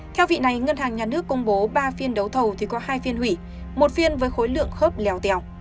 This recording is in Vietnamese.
theo vị này ngân hàng nhà nước công bố ba phiên đấu thầu thì có hai phiên hủy một phiên với khối lượng khớp lèo tèo